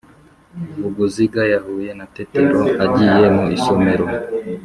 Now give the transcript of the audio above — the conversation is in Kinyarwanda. Vuguziga yahuye na Tetero agiye mu isomero.